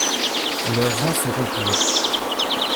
Leurs rangs se rompirent.